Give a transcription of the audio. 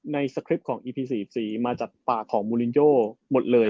ในสกริปของอีพี๔๔มาจากปากของโมลิโย่หมดเลย